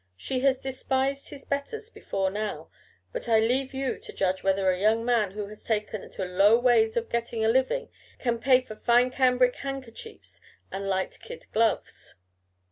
She has despised his betters before now; but I leave you to judge whether a young man who has taken to low ways of getting a living can pay for fine cambric handkerchiefs and light kid gloves."